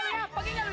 jangan ikut lagi